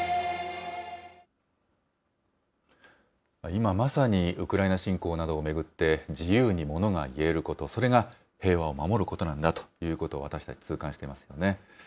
今、まさにウクライナ侵攻などを巡って、自由に物が言えること、それが平和を守ることなんだということを、私たち、痛感してますよね。